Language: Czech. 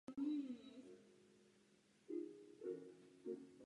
Nastoupil jako úředník do obchodu.